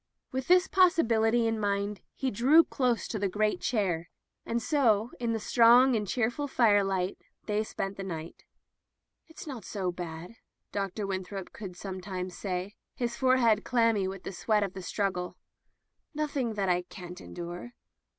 With this possibility in mind he drew close to the great chair — and so, in the strong and cheerful fire light, they spent the night. "It's not so bad,'* Dr. Winthrop would sometimes say, his forehead clammy with the sweat of the struggle. "Nothing that I can't endure."